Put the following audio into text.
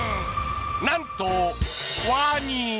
なんと、ワニ。